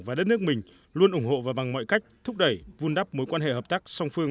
và đất nước mình luôn ủng hộ và bằng mọi cách thúc đẩy vun đắp mối quan hệ hợp tác song phương